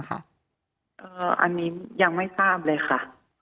อันนี้ยังไม่ทราบเลยค่ะ